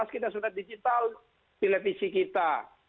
dua ribu lima belas kita sudah digital televisi kita